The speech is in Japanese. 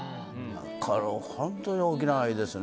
本当に大きな愛ですね。